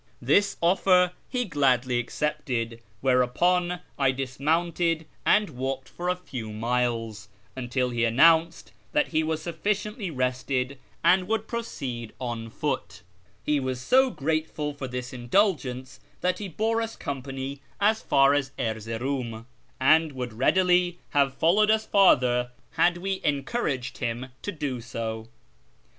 This offer he gladly accepted, whereupon I dismounted and walked for a few miles, until he announced that he was sufficiently rested and would proceed on foot. He was so grateful for this indulgence that he bore us company as far as Erzeroum, and would readily have followed us farther had we encouraged him to do so.